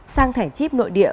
sang thẻ chip nội địa